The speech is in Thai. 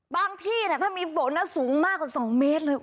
ที่ถ้ามีฝนสูงมากกว่า๒เมตรเลย